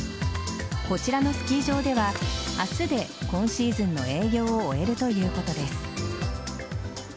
こちらのスキー場では、明日で今シーズンの営業を終えるということです。